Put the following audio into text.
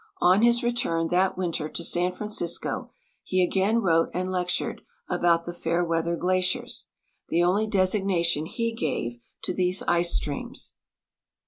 On his return that winter to San Franci.sco, he again wrote and lectured about the " Fairweather glaciers," the onl}" designation he gave to these ice streams.